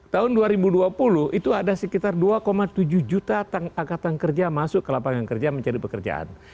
tahun dua ribu dua puluh itu ada sekitar dua tujuh juta angkatan kerja masuk ke lapangan kerja mencari pekerjaan